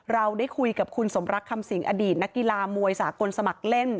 เราได้คุยกับคุณสมรักคำสิงอดีตนักกีฬามวยสากลสมัครเล่น